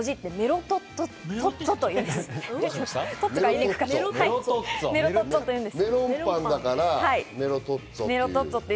メロンパンだからメロトッツォ。